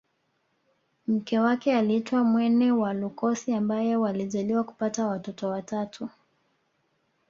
Mke wake aliitwa Mwene Wakulosi ambaye walijaliwa kupata watoto watatu